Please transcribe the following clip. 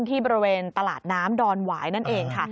ที่บริเวณตลาดน้ำดอนหวายนั่นเองค่ะ